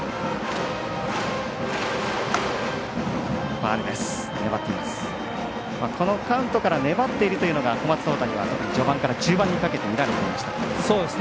フルカウントから粘っているというのが小松大谷は序盤から中盤にかけて見られていました。